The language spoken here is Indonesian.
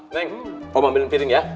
neng mau ambil piring ya